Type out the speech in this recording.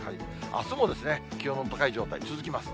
あすも気温の高い状態、続きます。